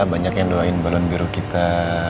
banyak yang doain balon biru kita